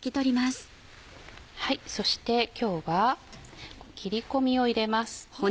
そして今日は切り込みを入れます。